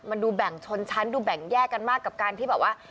มันดูแบ่งชนชั้นดูแบ่งแยกกันมากกับการที่แบบว่า